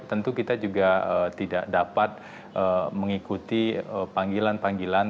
tentu kita juga tidak dapat mengikuti panggilan panggilan